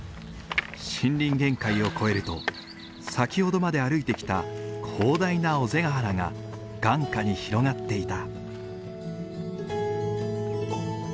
森林限界を越えると先ほどまで歩いてきた広大な尾瀬ヶ原が眼下に広がっていた。